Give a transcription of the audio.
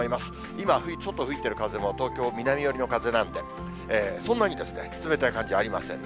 今、外吹いてる風も東京、南寄りの風なんで、そんなに冷たい感じはありませんね。